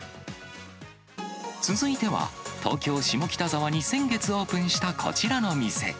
続いては、東京・下北沢に先月オープンしたこちらの店。